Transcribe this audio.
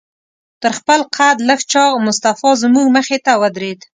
تر خپل قد لږ چاغ مصطفی زموږ مخې ته ودرېد.